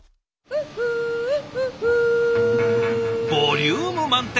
ボリューム満点